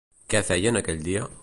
Què feien aquell dia?